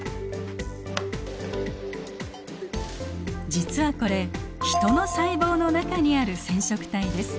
実はこれヒトの細胞の中にある染色体です。